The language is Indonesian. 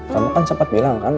kamu kan sempat bilang kan